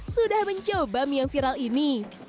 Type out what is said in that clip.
sudah mencoba mie yang viral ini